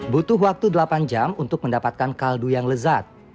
butuh waktu delapan jam untuk mendapatkan kaldu yang lezat